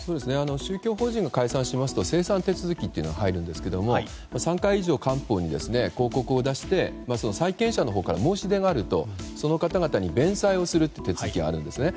宗教法人が解散しますと清算手続きというのが入るんですが３回以上、官報に出して債権者のほうから申し出があるとその方々に弁済をするという手続きがあるんですね。